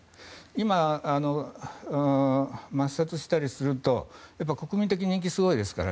今、抹殺したりすると国民的人気がすごいですから。